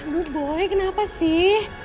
lo boy kenapa sih